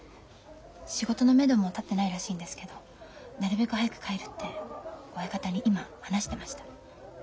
仕事のめども立ってないらしいんですけどなるべく早く帰るって親方に今話してました。